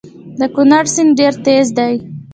د کونړ سیند ډیر تېز دی